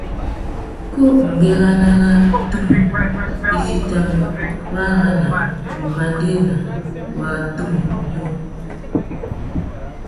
Ku mbérana râ tumu i fitimú wara na wumandēna wa tumu mô.